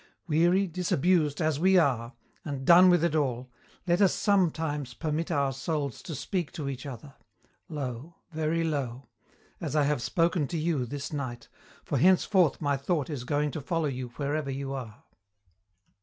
Weary, disabused, as we are, and done with it all, let us sometimes permit our souls to speak to each other low, very low as I have spoken to you this night, for henceforth my thought is going to follow you wherever you are.'